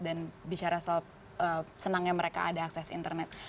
dan bicara soal senangnya mereka ada akses internet